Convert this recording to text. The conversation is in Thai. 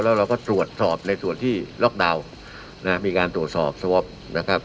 แล้วเราก็ตรวจสอบในส่วนที่ล็อกดาวน์นะมีการตรวจสอบสวอปนะครับ